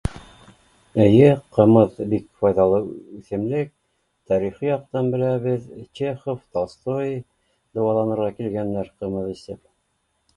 Эйе ҡымыҙ бик файҙалы үҫемлек, тарихи яҡтан беләбеҙ Чехов, Толстой дауаланырға килгәндәр ҡымыҙ эсеп